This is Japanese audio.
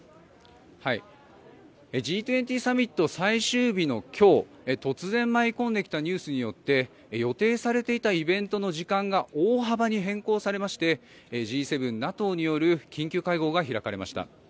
Ｇ２０サミット最終日の今日突然舞い込んできたニュースによって予定されていたイベントの時間が大幅に変更されましてＧ７、ＮＡＴＯによる緊急会合が開かれました。